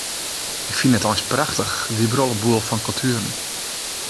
Ik fyn it eins prachtich, dy brolleboel fan kultueren.